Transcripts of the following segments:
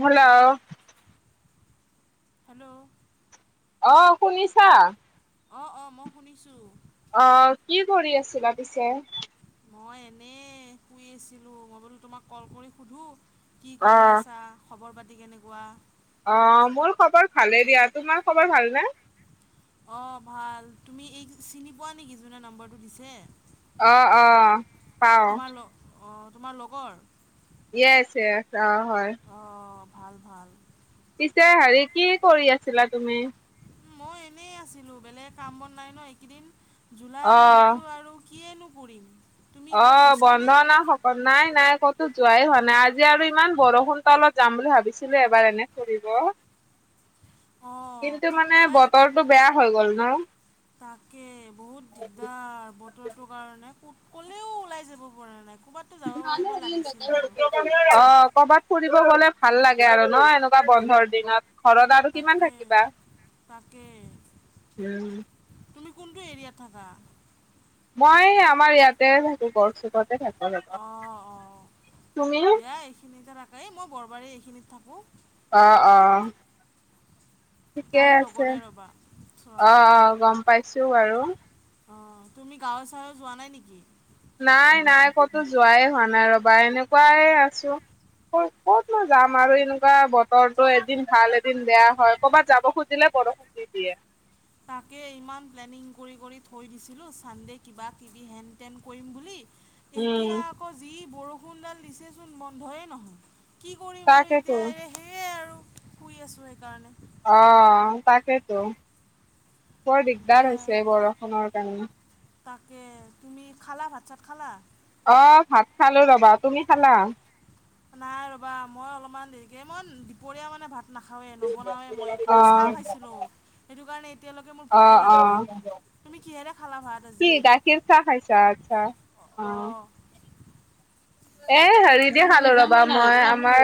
Hello hello, hello. অ', শুনিছা? অ', অ', মই শুনিছো। অ', কি কৰি আছিলা পিছে? মই এনেই শুই আছিলোঁ, মই বোলো তোমাক কল কৰি সোধোঁ। কি অ কৰি আছা, খবৰ পাতি কেনেকুৱা? অ', মোৰ খবৰ ভালে দিয়া, তোমাৰ খবৰ ভাল নে? অ', ভাল, তুমি এই চিনি পোৱা নেকি যোনে নম্বৰটো দিছে? অ', অ'। পাও তোমাৰ লগ অ' তোমাৰ লগৰ? ইয়েছ, ইয়েছ, অ' হয়। অ', ভাল, ভাল। পিছে হেৰি, কি কৰি আছিলা তুমি? মই এনেই আছিলো বেলেগ কাম বন নাই নহ, এইকেইদিন জুলাই অ মাহটো আৰু কিয়ে নো কৰিম। তুমি ক'ৰবাত অ', বন্ধ গৈছানে ন অ', নাই নাই ক'তো যোৱাই হোৱা নাই, আজি আৰু ইমান বৰষুণ তলত যাম বুলি ভাবিছিলো এবাৰ এনে ফুৰিব। [inaudible] অঁ কিন্তু মানে লাইক বতৰটো বেয়া হৈ গ'ল নহ। তাকে, বহুত দিগদাৰ ব ৰটোৰ কাৰণে, ক'ত ক'লেও ওলাই যাব পৰা নাই, ক'ৰবাতো যাব পাৰিব লাগিছিল বাৰু। অ', কৰবাত ফুৰিব গলে ভাল লাগে আৰু নহ, এনেকুৱা বন্ধৰ দিনত। ঘৰত আৰু কিমান তাকে থাকিবা, তাকে উম। তুমি কোনটো এৰিয়াত থাকা? মই আমাৰ ইয়াতে থাকো, গড়চুকতে থাকো। ৰব অ', অ', তুমি দিয়া এইখিনিতে থাকেই, এ মই বৰবাৰী এইখিনিত থাকোঁ। অ', অ'। ঠিকে তাইৰ আছে, লগৰে ৰ'বা চোৱা অ', অ', গম পাইছো বাৰু। অ', তুমি গাঁৱৰ ছাৱে যোৱা নাই নেকি? নাই নাই ক'তো যোৱাই হোৱা নাই ৰবা, এনেকুৱাই আছো। ক'ত মই যাম আৰু এনেকুৱা বতৰটো এদিন ভাল, এদিন বেয়া হয়, কৰ'বাত যাব খুজিলে বৰষুণ দি দিয়ে। তাকে ইমান প্লেনিং কৰি কৰি থৈ দিছিলোঁ, চানডে কিবা কিবি হেন তেন কৰিম বুলি উম এতিয়া আকৌ যি বৰষুণডাল দিছেচোন বন্ধই নহয়। কি কৰিম আৰু তাকেতো এতিয়া, এই সেয়াই আৰু শুই আছোঁ সেইকাৰণে। অ', তাকেইতো, বৰ দিগদাৰ দিয়া হৈছে বৰষুণৰ কাৰণে। তাকে তুমি খালা, ভাত-চাত খালা? অ', ভাত খালো ৰ'বা, তুমি খালা? নাই ৰ'বা, মই অলপমান দেৰিকে ইমান দুপৰীয়া মানে ভাত নাখাৱেই নবনাওঁৱে মই একো, মই চাহ অ' খাইছিলোঁ সেইটো কাৰণে এতিয়ালৈকে মোৰ ভোকে অ' লগা অ' নাই। তুমি কিহেৰে খালা ভাত কি আজি? গাখীৰ চাহ খাইছা আচ্ছা, অ'। অঁ এ হেৰি দি খালো ৰ'বা মই আমাৰ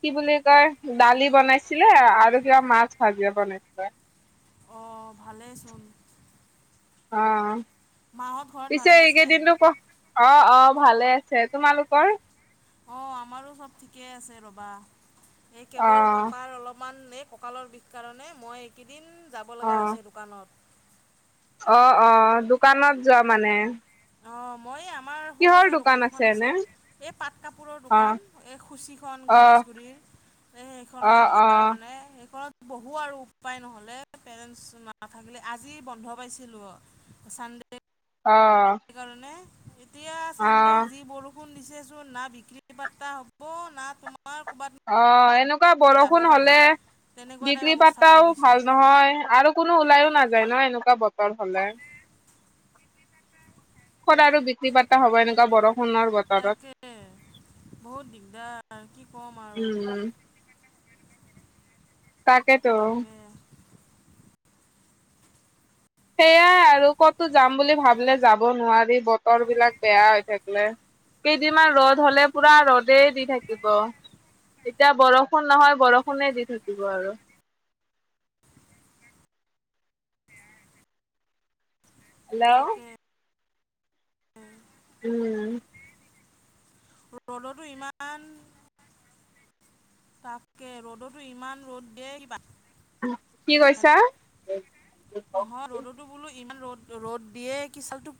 কি বুলি কয় দালি বনাইছিলে আৰু কিবা মাছ ভাজি বনাইছিলে। অ', ভালেইচোন। অ', মাহঁত ঘৰত পিছে ভালে আছে এইকেইদিনটো ক অ', অ', ভালে আছে, তোমালোকৰ? অ', আমাৰো চব ঠিকে আছে ৰ'বা। এই কেৱল অ' পাপাৰ অলপমান এই কঁকালৰ বিষ কাৰণে মই এইকেইদিন যাব লগা অ' হৈছে দোকানত। অ', অ', দোকানত যোৱা মানে? অ', মই এই আমাৰ সৰু চাই দোকান এখন আছে। এই পাট কাপোৰৰ দোকান অ' এই সুচীখন অ' গণেশগুৰিৰ। এই সেইখনো অ' আমাৰ মানে সেইখনত বঢ়ো আৰু উপায় নহ'লে পেৰেণ্টছ নাথাকিলে আজি বন্ধ পাইছিলো অ'। চান্ডে অ'। কাৰণে। এতিয়া চান্ডে অ' যি বৰষু ন দিছেচোন না বিক্ৰী পাৰ্তা হ'ব না তোমাৰ ক'ৰবাত অ', এনেকুৱা মই যাব বৰষুণ হ'লে পাৰিম তেনেকুৱা টাইপ বিক্ৰী অৱস্থা কৰি পাৰ্তাও দিছে ভাল নহয় আৰু কোনো ওলাইও নাযায় ন এনেকুৱা বতৰ হ'লে। ক'ত আৰু বিক্ৰী পাৰ্ত হ'ব এনেকুৱা বৰ তাকে বহুত দিগদাৰ কি ক'ম আৰু। উম, তাকেতো। তাকে সেইয়াই আৰু ক'তো যাম বুলি ভাবিলে যা নোৱাৰি বতৰবিলাক বেয়া হৈ থাকিলে। কেইদিনমান ৰ'দ হ'লে পুৰা ৰ'দেই দি থাকিব। এতিয়া বৰষুণ নহয় বৰষুণে দি থাকিব আৰু। হেল্ল'। উম। উম। ৰ'দতো ইমান তাকে ৰ'দতো ইমান ৰ'দ দিয়ে কিবা। কি কৈছা? নহয় ৰ'দত বোলো ইমান ৰ'দ ৰ'দ দিয়ে কি চালটো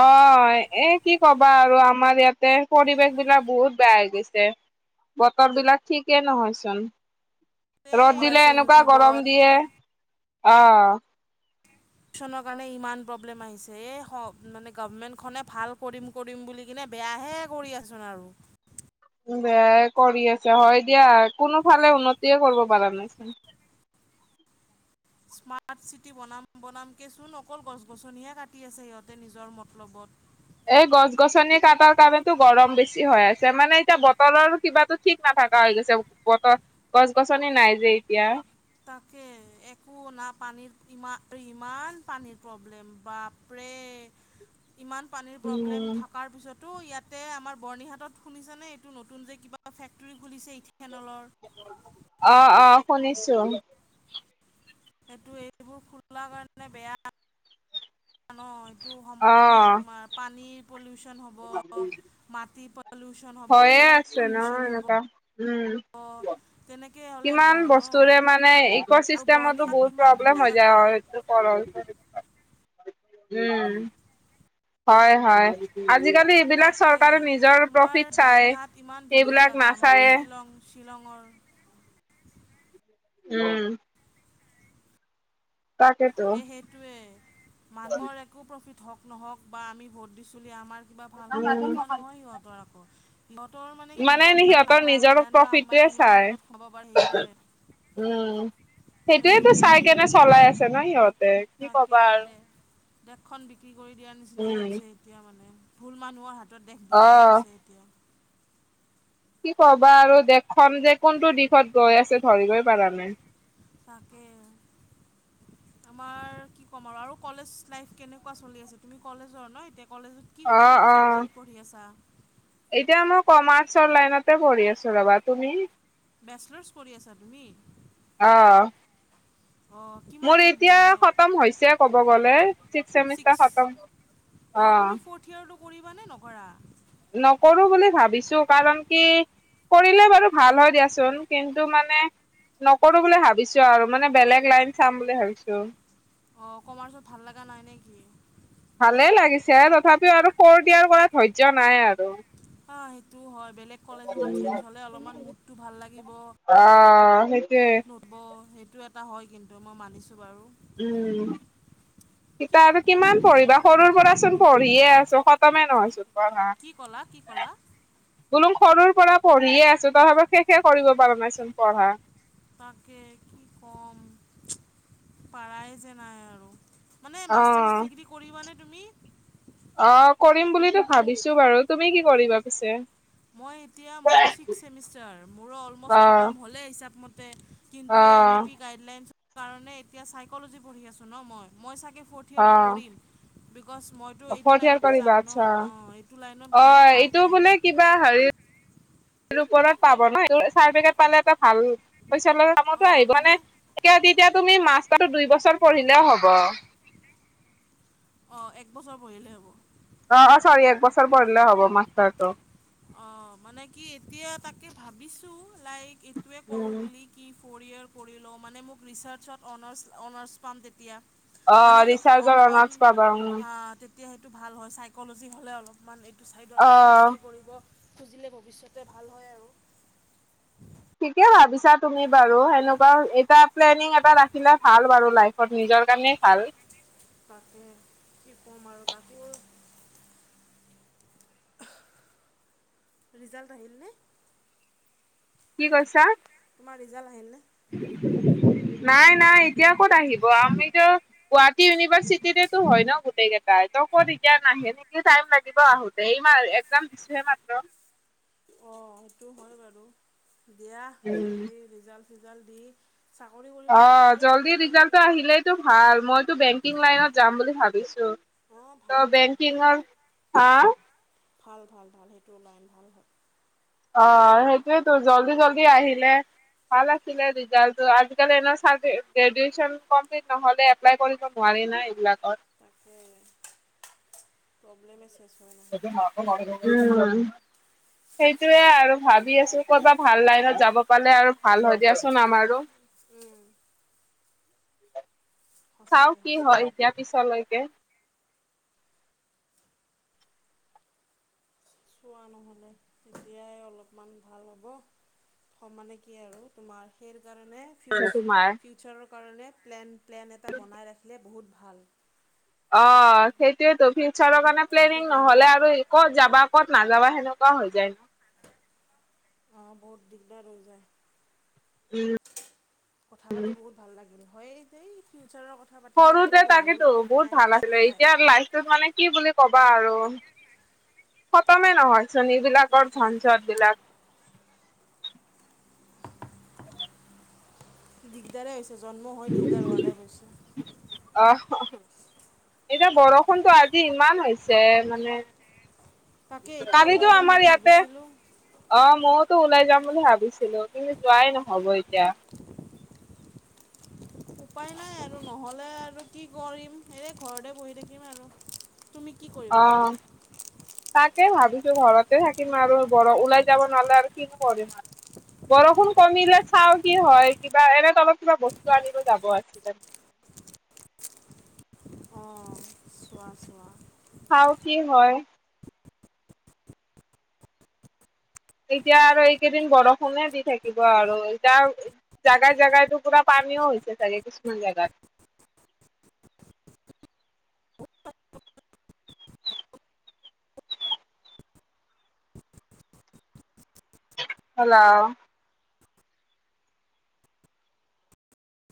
অ', এক কি ক'বা আৰু আমাৰ ইয়াতে পৰিৱেশবিলাক বহুত বেয়া হৈ গৈছে। বতৰবিলাক ঠিকেই নহয়চোন। এই ৰ'দ দিলে পাইছে এনেকুৱা গৰম ইউটিউবত দিয়ে অ'। চনৰ কাৰণে ইমান প্ৰব্লেম আহিছে। এই স মানে গভমেণ্টখনে ভাল কৰিম কৰিম বুলি কিনে বেয়াহে কৰি আছেচোন আৰু। বেয়াই কৰি আছে হয় দিয়া, কোনোফালে উন্নতিয়ে কৰিব পাৰা নাই। স্মাৰ্ট চিটি বনাম বনাম কেচোন অকল গছ গছনিহে কাটি আছে সিহঁতে নিজৰ মতলবত। এই গছ গছনি কাটাৰ কাৰণেটো গৰম বেছি হৈ আছে। মানে এতিয়া বতৰৰ কিবাটো ঠিক নাথাকা হৈ গৈছে বতৰ গছ গছনি নাই যে এতিয়া। তাকে একো না পানীৰ ইমান ইমান পানীৰ প্ৰব্লেম বাৰ্পৰে। ইমান পানীৰ প্ৰব্লেম উম। থকাৰ পিছত তো ইয়াতে আমাৰ বৰ্ণিহাটত শুনিছানে এইটো নতুন যে কিবা ফেক্টৰী খুলিছে ইথানলৰ? অ', অ', শুনিছো। সেইটো এইবোৰ খোলা কাৰণে বেয়া ন এইটো মানে অ', তোমাৰ পানীৰ পলিউচন হ'ব, মাটি পলিউচন হয়এ আছে ন, এনেকুৱা উম। তেনেকৈ হ'লে সুবিধা কিমান হয় বস্তুৰে ন মানে ইক' আৰু চিষ্টেমতো বৰ্ণিহাট বহুত ইমান প্ৰব্লেম ধুনীয়া হৈ জেগা যায় হয়। অহ' উম। হয়, হয়। আজিকালি এইবিলাক তাকে চৰকাৰে নিজৰ তোমাৰ প্ৰফিট চাই, বৰ্ণিহাট সেইবিলাক নাচায়েই। শ্বিলংৰ উম। [unintelligible] তাকেটো টোৱে মানুহৰ একো প্ৰফিট হওঁক নহওঁক বা আমি ভোট দিছিলোঁ আমাৰ কিবা ভাল হওঁক উম তেনেকুৱা নহয় সিহঁতৰ আকৌ। সিহঁতৰ মানে নিজৰ কিমান সিহঁতৰ লাভ হয়, আৰু নিজৰ আদানি প্ৰফিটটোৱে আম্বানী কিমান চাই বদত খাব পাৰে সেইটোৱে। উম, সেইটোৱেটো চাই সেইটোৱে কেনে চলাই আছে ন সিহঁতে কি তাকে কবা আৰু দে দেশখন বিক্ৰী কৰি দিয়াৰ নিচিনাই উম হৈছে, এতিয়া মানে ভুল মানুহৰ হাত দেশ দিয়া অ দেশ হৈছে এতিয়া। কি ক'বা আৰু দেশখন যে কোনটো দিশত গৈ আছে ধৰিবই পাৰা নাই। তাকেই আমাৰ কি ক'ম আৰু আৰু কলেজ লাইফ কেনেকুৱা চলি আছে, তুমি কলেজৰ ন এতিয়া কলেজত কি অ কোনটো অ ছাবজেক্ট পঢ়ি আছা? এতিয়া মই কমাৰ্চৰ লাইনতে পঢ়ি আছোঁ ৰবা তুমি? বেচলাৰছ কৰি আছা তুমি? অহ' অঁ কিমান মোৰ এতিয়া মানে খতম হৈছে ক'ব গ'লে ছিক্স চেমিষ্টাৰ খতম। অ' তুমি ফ্ৰৰ্থ ইয়াৰটো কৰিবা নে নকৰা? নকৰোঁ বুলি ভাবিছোঁ, কাৰণ কি কৰিলে বাৰু ভাল হয় দিয়াচোন, কিন্তু মানে নকৰোঁ বুলি ভাবিছোঁ আৰু মানে বেলেগ লাইন চাম বুলি ভাবিছোঁ। অ' কমাৰ্চত ভাল লগা নাই নে কি? ভালে লাগিছে, তথাপিও আৰু ফ্ৰৰ্থ ইয়েৰৰ কৰা ধৈৰ্য্য নাই আৰু হয়, সেইটো হয় বেলেগ কলেজ এখন চেঞ্জ হ'লে অলপমান মুডটো ভাল লাগিব। অ সেইটোয়ে নতুন হ'ব সেইটো এটা হয়, কিন্তু মই মানিছোঁ বাৰু। উম, কি কিতাপ ক'ম কিমান পঢ়িবা। সৰুৰ পৰা চোন পঢ়িয়ে আছোঁ খতমে নহয়চোন। পঢ়া কি ক'লা, কি ক'লা। বোলো সৰুৰ পৰা পঢ়িয়ে আছোঁ, তথাপিও শেষে কৰিব পৰা নাইচোন পঢ়া। তাকে কি ক'ম পাৰাই যে নাই আৰু মানে মাষ্টাৰছ অ', ডিগ্ৰী কৰিবানে তুমি? অ' কৰিম বুলিতো ভাবিছোঁ বাৰু। তুমি কি কৰিবা পিছে? মই এতিয়া মোৰো ছিক্স চেমিষ্টাৰ মোৰো অলমষ্ট অ', খতম হ'লেই হিচাপ মতে, কিন্তু এই এন ই অ', পি গাইডলাইনছ কাৰণে এতিয়া চাইক'লজি পঢ়ি আছোঁ ন মই মই চাগে ফ্ৰৰ্থ ইয়েৰটো অ', কৰিম। বিকজ, মইতো এইটো ফৰ্থ ইয়াৰ লাইনতে কৰিবা যাম ন। আচ্ছা। অ' এইটো লাইনত গ'লে অ', এইটো লাগেই। বোলে কিবা হেৰি ওপৰত পাব ন চাৰ্টিফিকেট পেকেট পালে এটা ভাল পিছলৈ কামতো অঁ আহিব মানে হয়নে। তো তেতিয়া তুমি মাষ্টাৰটো দুই বছৰ পঢ়িলেও হ'ব। অ' এক বছৰ পঢ়িলেই হ'ব। অ' অ' চৰি এক বছৰ পঢ়িলে হ'ব মাষ্টাৰটো। অ' মানে কি এতিয়া তাকে ভাবিছোঁ লাইক এইটোৱে কৰোঁ উম, বুলি। কি ফ'ৰ ইয়েৰ কৰি লওঁ মানে মোক ৰিছাৰ্চৰত অনাৰছ অনাৰ্ছ পাম তেতিয়া। মানে অ', কি অন ৰিচাৰ্জৰ অন অনাৰ্চ পাবা উম, হা এতিয়া সেইটো ভাল হয় চাইকলজি হ'লে অলপমান এইটো ছাইডত পি এইচ অ'। ডি কৰিব খুজিলে ভৱিষ্যতে ভাল হয় আৰু থিকে ভাবিছা তুমি বাৰু সেনেকুৱা এটা প্লেনিং এটা ৰাখিলা ভাল বাৰু লাইফত নিজৰ কাৰণে ভাল তাকে কি ক'ম আৰু বাকীবোৰ ৰিজাল্ট আহিলনে? কি কৈছা। তোমাৰ ৰিজাল্ট আহিলনে নাই, নাই এতিয়া ক'ত আহিব আমিতো গুৱাহাটী ইউনিভাৰ্চিটি তো হয় ন গোটেই কেইটা ত ক'ত এতিয়া নাহে নেকি টাইম লাগিব আহো এইমাৰ এক্সাম দিছোহে মাত্ৰ অ', সেইটো হয় বাৰু দিয়া উম জল্দি ৰিজাল্ট চিজাল্ট দি চাকৰি অ কৰিবা নে ডাইৰেক্ট জল্দি নে তুমি? ৰিজাল্টটো আহিলেইতো ভাল মইতো বেংকিং লাইনত যাম বুলি ভাবিছো অঁ ভাল ত' ভাল ভাল বেংকিংৰ আ ভাল, ভাল, ভাল সেইটো লাইন ভাল হয়। অ', সেইটোয়ে তো জল্দি জল্দি আহিলে ভাল আছিলে ৰিজাল্টটো আজিকালি গ্ৰেজেচন কমপ্লিট নহ'লে এপ্লাই কৰিব নোৱাৰি নাই এইবিলাকত তাকে প্ৰব্লেম আছে এ ম ন [unintelligible] সেইটোয়ে আৰু ভাবি আছো কত'বাত ভাল লাইনত যাব পালে আৰু ভাল হয় দিয়াচোন আমাৰো উম। চাও সঁচাকে কি হয় সঁচাকে এতিয়া পিছলৈকে চোৱা নহ'লে তেতিয়াই অলপমান ভাল হ'ব সমানে কি আৰু তোমাৰ সেই কাৰণে ফিউচ তোমাৰ ফিউচাৰৰ কাৰণে প্লেন, প্লেন এটা বনাই ৰাখিলে বহুত ভাল অ', সেইটোয়েতো ফিউচাৰৰ সেইটো কাৰণে সেইটো প্লেনিং প্লেনৰ নহলে আৰু ক'ত যাবা ক'ত নাযাবা সেনেকুৱা হৈ যায় ন। অ', বহুত দিগদাৰ ৰ হৈ যায় উম। কথা পাতি বহুত ভাল লাগিল হয় যে ফিউচাৰৰ কথা পাতিলে আৰু সৰুতে বহুত তাকেতো মানে বহুত টাইম ভাল আছিলে গুচিয়ে যায় এতিয়া লাইফটোত মানে কি বুলি কবা আৰু খতমে নহয়চোন এইবলাকৰ তাকে ধনঝট বিলাক। দিগদাৰেই হৈছে জন্ম হৈ দিগদাৰ হোৱা টাইপ হৈছে। আহ। এতিয়া বৰষুণতটো আজি ইমান হৈছে মানে তাকে এতিয়া কালিতো ওলাই যাম আমাৰ বুলি ইয়াতে ভাবিছিলোঁ। অ', ময়োতো ওলাই যাম বুলি ভাবিছিলোঁ কিন্তু যোৱাই নহ'ব এতিয়া। উপায় নাই আৰু নহ'লে আৰু কি কৰিম এই ঘৰতে বহি থাকিম আৰু তুমি কি কৰিব অ'। তাকে ভাবিছোঁ ঘৰতে থাকিম আৰু বৰ ওলাই যাব নহলে আৰু কিনো কৰিম আৰু। বৰষুণ কমিলে চাওঁ কি হয় কিবা এনে অলপ কিবা বস্তু আনিলো যাব আছিলে। অ', চোৱা, চোৱা। খাওঁ কি হয়। এতিয়া আৰু এইকেইদিন বৰষুণে দি থাকিব আৰু এতিয়া জাগাই জোগাতো পুৰা পানীও হৈছে চাগে কিছুমান জাগাত। হেল্ল'।